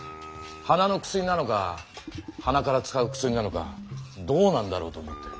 鼻の薬なのか鼻から使う薬なのかどうなんだろうと思って。